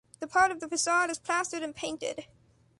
The part of the facade is plastered and painted.